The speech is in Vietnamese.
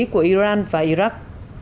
của iran và iraq